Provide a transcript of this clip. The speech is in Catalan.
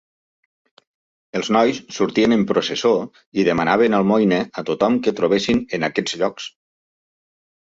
Els nois sortien en processó i demanaven almoina a tothom que trobessin en aquests llocs.